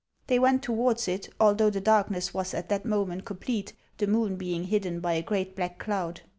They went towards it, although the darkness was at that moment complete, the moon being hidden by a great black cloud.